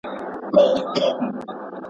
قلمي خط د پیچلو مسایلو د ساده کولو لاره ده.